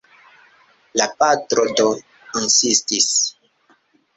La patro do insistis.